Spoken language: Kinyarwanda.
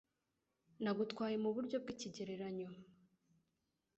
Nagutwaye mu buryo bw'ikigereranyo